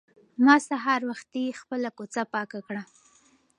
ما سهار وختي خپله کوڅه پاکه کړه.